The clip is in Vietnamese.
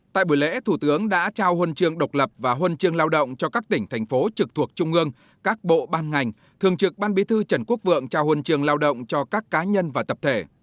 tại buổi lễ thủ tướng đã trao huân trường độc lập và huân chương lao động cho các tỉnh thành phố trực thuộc trung ương các bộ ban ngành thường trực ban bí thư trần quốc vượng trao huân trường lao động cho các cá nhân và tập thể